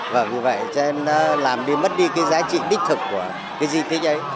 và vì vậy nó làm đi mất đi cái giá trị đích thực của cái di tích ấy